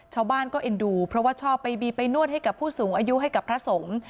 ชาวบ้านก็เอ็นดูเพราะว่าชอบไปบีไปนวดให้กับผู้สูงอายุให้กับพระสงฆ์